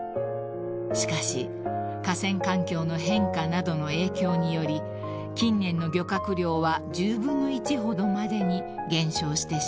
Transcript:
［しかし河川環境の変化などの影響により近年の漁獲量は１０分の１ほどまでに減少してしまいます］